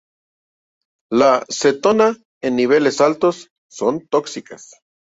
Las cetonas, en niveles altos, son tóxicas.